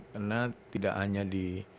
karena tidak hanya di